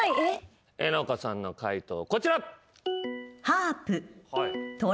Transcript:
えなこさんの解答こちら。